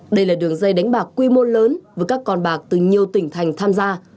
đây là đường dây đánh bạc quy mô lớn với các con bạc từ nhiều tỉnh thành tham gia